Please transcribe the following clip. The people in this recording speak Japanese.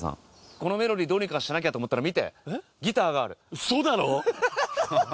このメロディーどうにかしなきゃと思ったら見てギターがあるあれ？